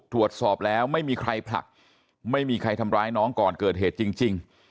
ตรวจสอบแล้วไม่มีใครผลักไม่มีใครทำร้ายน้องก่อนเกิดเหตุจริง